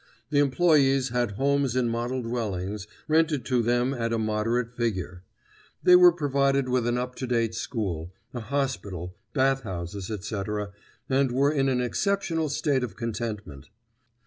The employees had homes in model dwellings, rented to them at a moderate figure. They were provided with an up to date school, a hospital, bath houses, etc., and were in an exceptional state of contentment.